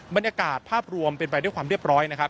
บรรยากาศภาพรวมเป็นไปด้วยความเรียบร้อยนะครับ